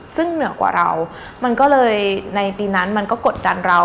ซึ่งเหนือกว่าเรามันก็เลยในปีนั้นมันก็กดดันเรา